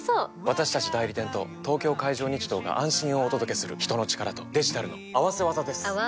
私たち代理店と東京海上日動が安心をお届けする人の力とデジタルの合わせ技です！